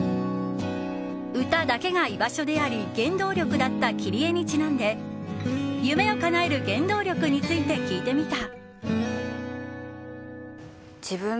歌だけが居場所であり原動力だったキリエにちなんで夢をかなえる原動力について聞いてみた。